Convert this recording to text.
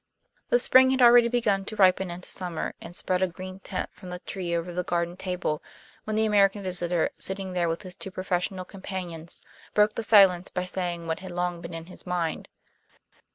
The spring had already begun to ripen into summer, and spread a green tent from the tree over the garden table, when the American visitor, sitting there with his two professional companions, broke the silence by saying what had long been in his mind.